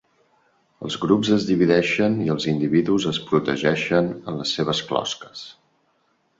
Els grups es divideixen i els individus es protegeixen en les seves closques.